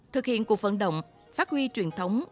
thực hiện cuộc phận động phát huy truyền thống